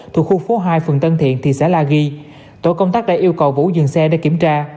thuộc khu phố hai phường tân thiện thị xã la ghi tổ công tác đã yêu cầu vũ dừng xe để kiểm tra